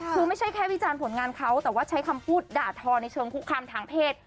คือไม่ใช่แค่วิจารณ์ผลงานเขาแต่ว่าใช้คำพูดด่าทอในเชิงคุกคามทางเพศ